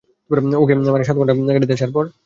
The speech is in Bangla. ওকে, মানে, সাত ঘন্টা গাড়িতে আসার পর?